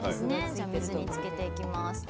じゃ水につけていきます。